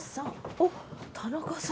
おっ田中さん。